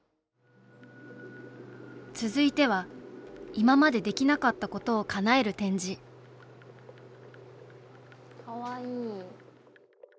続いては今まで、できなかったことをかなえる展示かわいい。